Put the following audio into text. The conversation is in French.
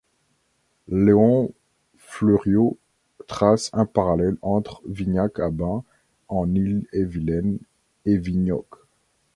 Léon Fleuriot trace un parallèle entre Vignac à Bains en Ille-et-Vilaine et Vignoc.